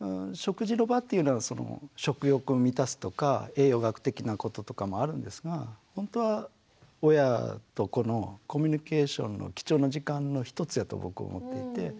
食事の場っていうのは食欲を満たすとか栄養学的なこととかもあるんですがほんとは親と子のコミュニケーションの貴重な時間の一つやと僕思っていて。